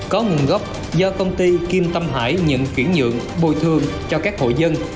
có nguồn gốc do công ty kim tâm hải nhận khuyển nhượng bồi thường cho các hội dân